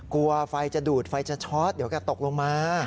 กลัวไฟจะดูดไฟจะช็อตเดี๋ยวแกตกลงมา